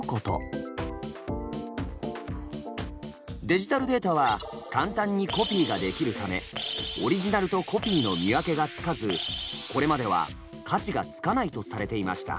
デジタルデータは簡単にコピーができるためオリジナルとコピーの見分けがつかずこれまでは価値がつかないとされていました。